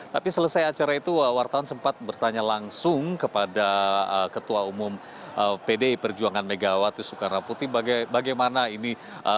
tapi selesai acara itu wartawan sempat bertanya langsung kepada ketua umum pdi perjuangan megawati soekarno putih bagaimana ini